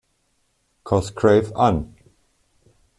Cosgrave an.